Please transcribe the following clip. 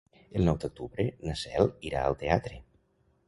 El nou d'octubre na Cel irà al teatre.